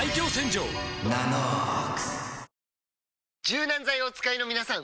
柔軟剤をお使いのみなさん！